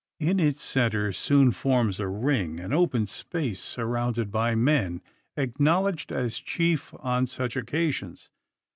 In its centre soon forms a ring, an open space, surrounded by men, acknowledged as chief on such occasions.